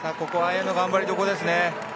ここは、綾乃頑張りどころですね。